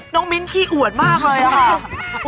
น้องมิ้นท์ขี้อวดมากเลยอะค่ะ